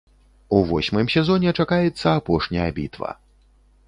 У восьмым сезоне чакаецца апошняя бітва.